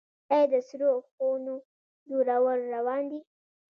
آیا د سړو خونو جوړول روان دي؟